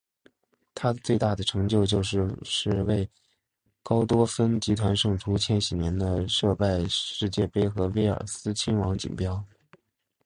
它最大的成就就是为高多芬集团胜出千禧年的杜拜世界杯和威尔斯亲王锦标。